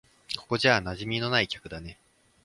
ここじゃ馴染みのない客だね。